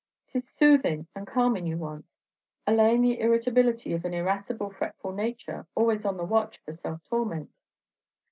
'T is soothin' and calmin' you want; allaying the irritability of an irrascible, fretful nature, always on the watch for self torment.